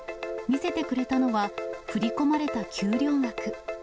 見せてくれたのは、振り込まれた給料額。